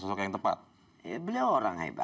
sosok yang tepat beliau orang hebat